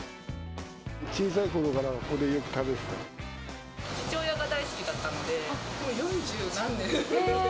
小さいころからここでよく食父親が大好きだったので、もう四十何年。